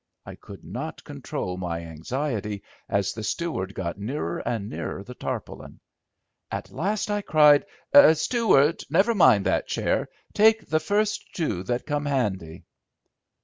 I could not control my anxiety as the steward got nearer and nearer the tarpaulin. At last I cried— "Steward, never mind that chair; take the first two that come handy."